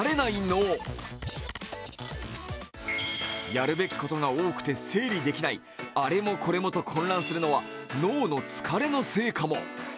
やるべきことが多くて整理できない、あれもこれもと混乱するのは脳の疲れのせいかも。